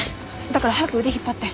だから早く腕引っ張って。